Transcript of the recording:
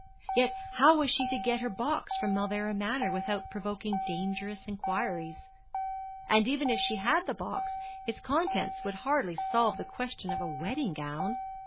Yet how was she to get her box from Mauleverer Manor without provoking dangerous inquiries? And even if she had the box its contents would hardly solve the question of a wedding gown.